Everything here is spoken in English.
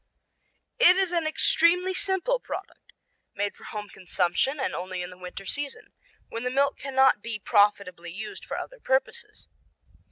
It is an extremely simple product, made for home consumption and only in the winter season, when the milk cannot be profitably used for other purposes.